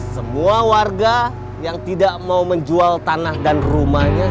semua warga yang tidak mau menjual tanah dan rumahnya